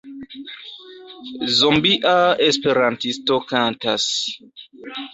Zombia esperantisto kantas.